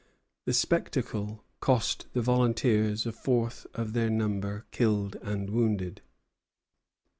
The spectacle cost the volunteers a fourth of their number killed and wounded.